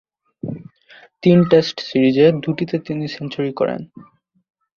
তিন টেস্ট সিরিজের দুইটিতে তিনি সেঞ্চুরি করেন।